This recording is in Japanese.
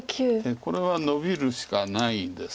これはノビるしかないです。